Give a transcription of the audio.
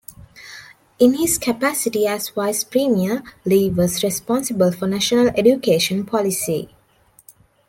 In his capacity as Vice Premier, Li was responsible for national education policy.